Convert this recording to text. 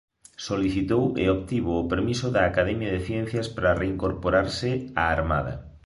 Solicitou e obtivo o permiso da Academia de Ciencias para reincorporarse á Armada.